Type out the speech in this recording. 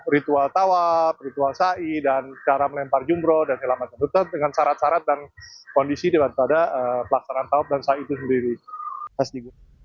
ritual tawab ritual sa i dan cara melempar jumroh dan selama tertutup dengan syarat syarat dan kondisi daripada pelaksanaan tawab dan sa i itu sendiri